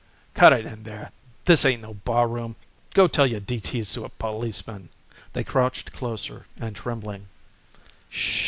"Cut it, in there! This ain't no barroom. Go tell your D. T.'s to a policeman." They crouched closer and trembling.